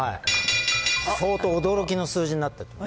相当驚きの数字になってる。